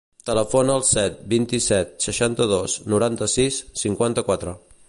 Telefona al set, vint-i-set, seixanta-dos, noranta-sis, cinquanta-quatre.